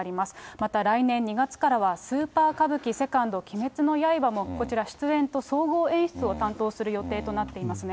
また、来年２月からはスーパー歌舞伎セカンド鬼滅の刃も、こちら、出演と総合演出を担当する予定となっていますね。